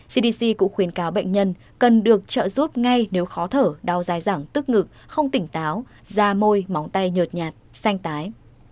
cdc cũng khuyến cáo bệnh nhân cần được trợ giúp ngay nếu khó thở đau dài dẳng tức ngực không tỉnh táo da môi móng tay nhột nhạt xanh tái